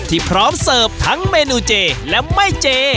พร้อมเสิร์ฟทั้งเมนูเจและไม่เจ